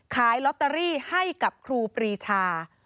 ขายลอตเตอรี่ให้กับครูปรีชา